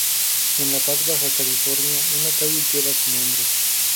En La Paz, Baja California una calle lleva su nombre.